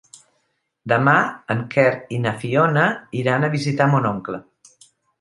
Demà en Quer i na Fiona iran a visitar mon oncle.